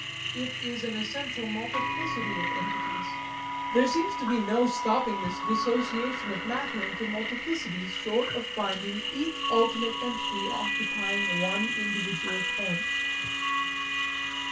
It is an essential multiplicity of entities. There seems to be no stopping this dissociation of matter into multiplicities short of finding each ultimate entity occupying one individual point.